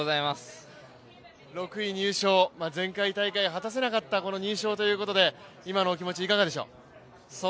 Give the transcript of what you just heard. ６位入賞、前回大会果たせなかった入賞ということで今のお気持ち、いかがでしょう？